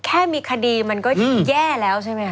แค่มีคดีมันก็แย่แล้วใช่ไหมคะ